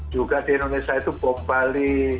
juga di indonesia itu bom bali